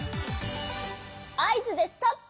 あいずでストップ！